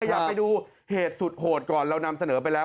อยากไปดูเหตุสุดโหดก่อนเรานำเสนอไปแล้ว